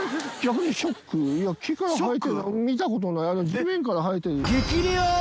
地面から生えてる。